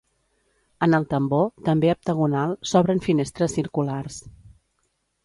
En el tambor, també heptagonal, s'obren finestres circulars.